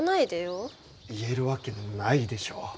言えるわけないでしょう。